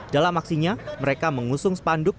dalam aksinya mereka mengusung spanduk